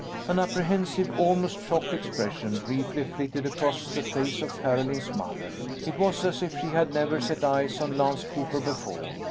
An apprehensive, almost shocked expression briefly flitted across the face of Carolyn's mother. It was as if she had never set eyes on Lance Cooper before.